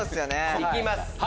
行きます！